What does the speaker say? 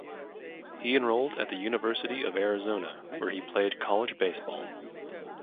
He enrolled at the University of Arizona where he played college baseball.